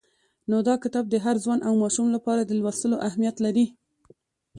نو دا کتاب د هر ځوان او ماشوم لپاره د لوستلو اهمیت لري.